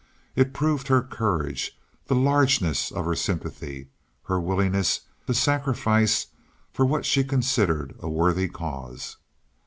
It proved her courage, the largeness of her sympathy, her willingness to sacrifice for what she considered a worthy cause.